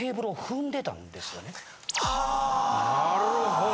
・あ・なるほど。